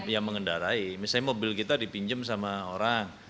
yang mengendarai misalnya mobil kita dipinjam sama orang